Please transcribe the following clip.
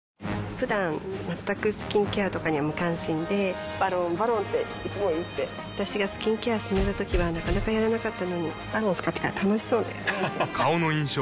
ふだん全くスキンケアとかに無関心で「ＶＡＲＯＮ」「ＶＡＲＯＮ」っていつも言って私がスキンケア勧めたときはなかなかやらなかったのに「ＶＡＲＯＮ」使ってから楽しそうだよね